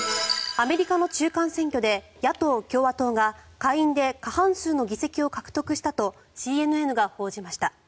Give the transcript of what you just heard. アメリカの中間選挙で野党・共和党が下院で過半数の議席を獲得したとＣＮＮが報じました。